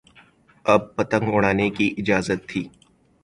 اب پتنگ اڑانے کی اجازت تھی۔